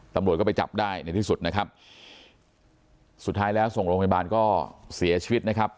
ตำรวจก็ไปจับได้ในที่สุดนะครับสุดท้ายแล้วส่งโรงพยาบาลก็เสียชีวิตนะครับ